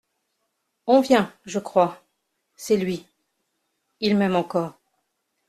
On vient, je crois ; c’est lui ; il m’aime encore.